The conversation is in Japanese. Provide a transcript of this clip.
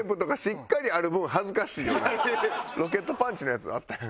ロケットパンチのやつあったやん。